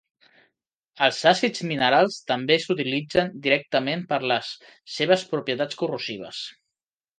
Els àcids minerals també s"utilitzen directament per les seves propietats corrosives.